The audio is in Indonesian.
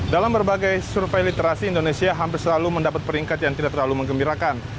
dalam berbagai survei literasi indonesia hampir selalu mendapat peringkat yang tidak terlalu mengembirakan